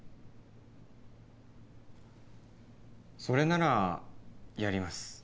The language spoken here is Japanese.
それならやります。